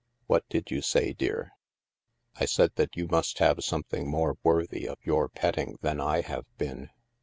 What did you say, dear?" " I said that you must have something more worthy of your petting than I have been.